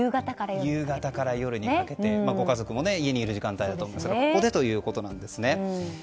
夕方から夜にかけてご家族も家にいる時間だと思うんですけどここでというところですね。